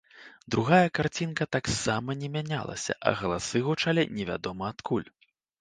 Другая карцінка таксама не мянялася, а галасы гучалі невядома адкуль.